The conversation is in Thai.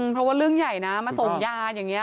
เพราะว่าเรื่องใหญ่นะมาส่งยาอย่างนี้